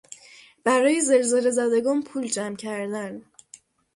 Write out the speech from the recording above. برای زلزله زدگان پول جمع کردن